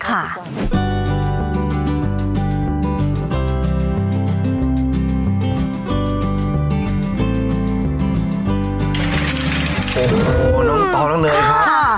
โอ้โหนมเต่าน้ำเนยครับ